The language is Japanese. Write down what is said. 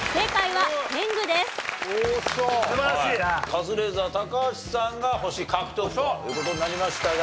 カズレーザー高橋さんが星獲得という事になりましたが。